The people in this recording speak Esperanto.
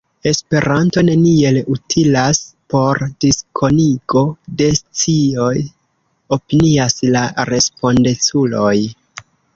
Esperanto neniel utilas por diskonigo de scioj, opinias la respondeculoj.